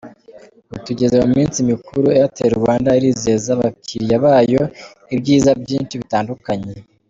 Ubu tugeze mu minsi mikuru, Airtel Rwanda irizeza abakiliya bayo ibyiza byinshi bitandukanye!.